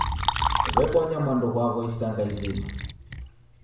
W'ebonya mwandu ghwa'wo isanga izima.